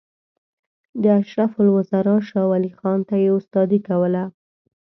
د اشرف الوزرا شاولي خان ته یې استادي کوله.